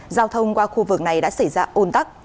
giao thông qua khu vực này đã xảy ra ôn tắc